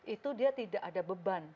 itu dia tidak ada beban